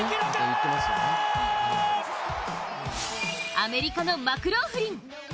アメリカのマクローフリン。